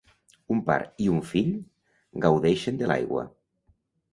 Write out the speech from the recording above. Un par i un fill gaudeixen de l'aigua.